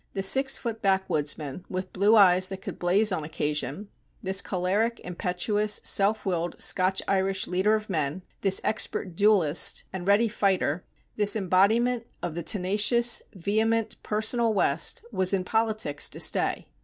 This six foot backwoodsman, with blue eyes that could blaze on occasion, this choleric, impetuous, self willed Scotch Irish leader of men, this expert duelist, and ready fighter, this embodiment of the tenacious, vehement, personal West, was in politics to stay.